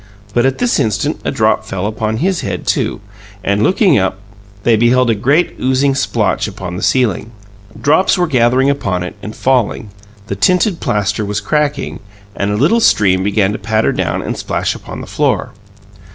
But at this instant a drop fell upon his head, too, and, looking up, they beheld a great oozing splotch upon the ceiling. Drops were gathering upon it and falling; the tinted plaster was cracking, and a little stream began to patter down and splash upon the floor.